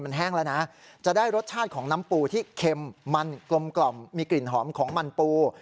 มันแห้งแล้วนะจะได้รสชาติของน้ำปูที่เค็มมันกลมมีกลิ่นหอมของมันปู